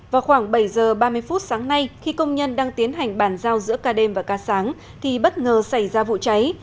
vào khoảng bảy giờ ba mươi phút sáng nay khi công nhân đang tiến hành bàn giao giữa ca đêm và ca sáng thì bất ngờ xảy ra vụ cháy